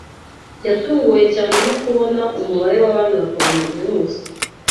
Yatunguwe cyane no kubona umubare w’abandura Coronavirus